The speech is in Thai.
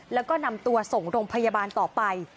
แล้วก็นำตัวส่งโรงพยาบาลต่อไป